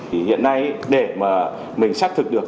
hiện nay để mà mình xác thực được